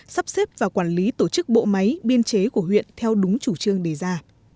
sắp xếp và quản lý tổ chức bộ máy biên chế của huyện theo đúng chủ trương đề ra